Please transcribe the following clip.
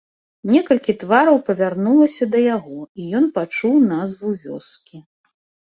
Некалькі твараў павярнулася да яго, і ён пачуў назву вёскі.